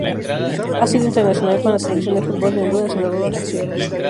Ha sido internacional con la Selección de fútbol de Honduras en dos ocasiones.